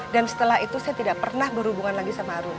dan setelah itu saya tidak pernah berhubungan lagi sama arun